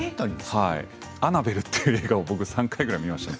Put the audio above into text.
「アナベル」という映画を３回ぐらい見ました。